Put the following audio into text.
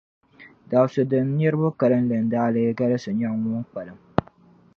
Dabsi' dini niriba kalinli n-daa lee galisi nyaŋ ŋun kpalim?